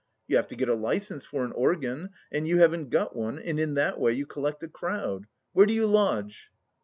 "You have to get a licence for an organ, and you haven't got one, and in that way you collect a crowd. Where do you lodge?"